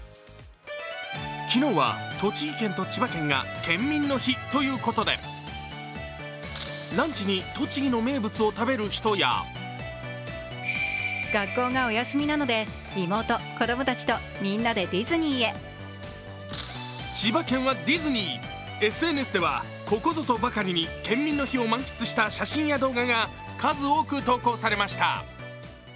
昨日は栃木県と千葉県が県民の日ということで、ランチに栃木の名物を食べる人や千葉県はディズニー！ＳＮＳでは、ここぞとばかりに県民の日を満喫した写真や動画が数多く投稿されました。